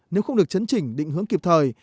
nếu không được chấn chỉnh định hướng kịp thời